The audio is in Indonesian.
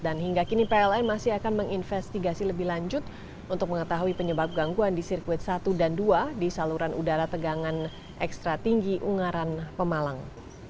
dan hingga kini pln masih akan menginvestigasi lebih lanjut untuk mengetahui penyebab gangguan di sirkuit satu dan dua di saluran udara tegangan ekstra tinggi ungaran pemalang